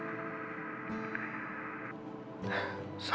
sangat berhutang kepada ibunya